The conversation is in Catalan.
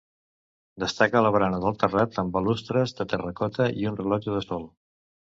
Destaca la barana del terrat amb balustres de terracota i un rellotge de sol.